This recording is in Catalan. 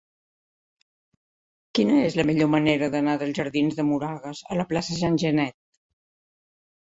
Quina és la millor manera d'anar dels jardins de Moragas a la plaça de Jean Genet?